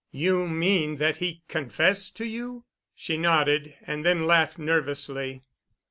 "You mean that he confessed to you?" She nodded and then laughed nervously.